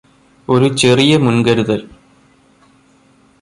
ഒരു ചെറിയ മുൻകരുതൽ